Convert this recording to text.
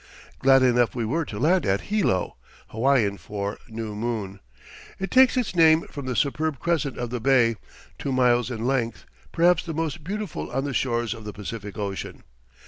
Glad enough we were to land at Hilo Hawaiian for "new moon." It takes its name from the superb crescent of the bay, two miles in length, perhaps the most beautiful on the shores of the Pacific Ocean.